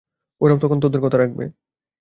ওরাও তখন তোদের কথা রাখবে।